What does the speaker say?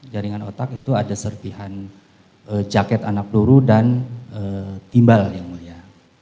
jaringan otak itu ada serpihan jaket anak peluru dan timbal yang mulia